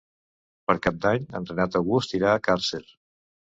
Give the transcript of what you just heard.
Per Cap d'Any en Renat August irà a Càrcer.